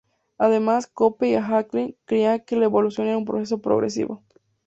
Además, Cope y Haeckel creían que la evolución era un proceso progresivo.